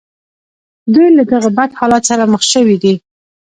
دوی له دغه بد حالت سره مخ شوي دي